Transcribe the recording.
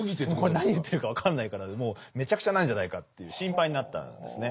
これ何言ってるか分かんないからもうめちゃくちゃなんじゃないかという心配になったんですね。